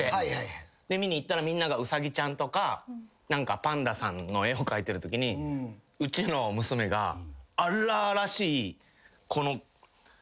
見に行ったらみんながウサギちゃんとかパンダさんの絵を描いてるときにうちの娘が荒々しい。